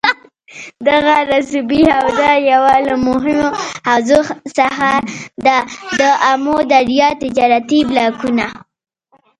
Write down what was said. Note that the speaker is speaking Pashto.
دغه رسوبي حوزه یوه له مهمو حوزو څخه ده دآمو دریا تجارتي بلاکونه